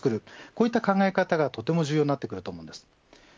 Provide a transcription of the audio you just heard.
こういった考え方がとても重要になってきます。